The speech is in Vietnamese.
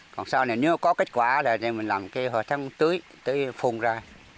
còn sau này nếu có kết quả là mình làm cái thấm tưới tưới phun ra